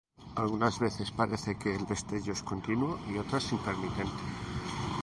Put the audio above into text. Algunas veces parece que el destello es continuo y, otras, intermitente.